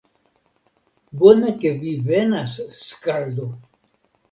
Bone ke vi venas, skaldo!